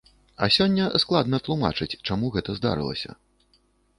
А сёння складна тлумачаць, чаму гэта здарылася.